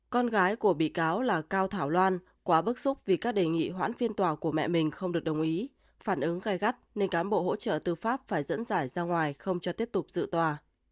con gái của bị cáo là cao thảo loan quá bức xúc vì các đề nghị hoãn phiên tòa của mẹ mình không được đồng ý phản ứng gai gắt nên cán bộ hỗ trợ tư pháp phải dẫn giải ra ngoài không cho tiếp tục dự tòa